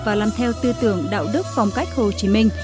và làm theo tư tưởng đạo đức phong cách hồ chí minh